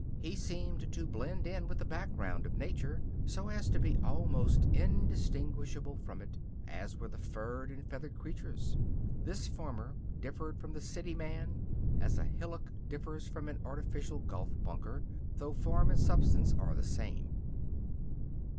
He seemed to blend in with the background of nature so as to be almost undistinguishable from it, as were the furred and feathered creatures. This farmer differed from the city man as a hillock differs from an artificial golf bunker, though form and substance are the same.